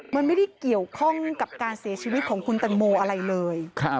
มันไม่ได้เกี่ยวข้องกับการเสียชีวิตของคุณตังโมอะไรเลย